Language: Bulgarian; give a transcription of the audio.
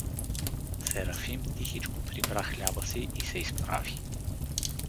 Серафим тихичко прибра хляба си и се изправи.